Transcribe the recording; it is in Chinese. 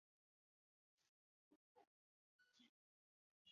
幼鱼常溯河入淡水河川。